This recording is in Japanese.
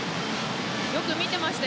よく見ていました。